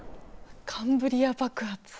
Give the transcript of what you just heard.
カンブリア爆発。